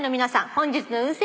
本日の運勢